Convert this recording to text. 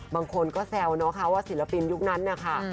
บางคนก็แซวนะคะว่าศิลปินยุคนั้นนะคะ